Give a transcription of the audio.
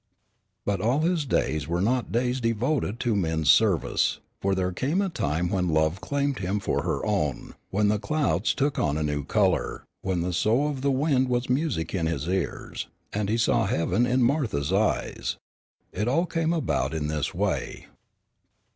But all his days were not days devoted to men's service, for there came a time when love claimed him for her own, when the clouds took on a new color, when the sough of the wind was music in his ears, and he saw heaven in Martha's eyes. It all came about in this way.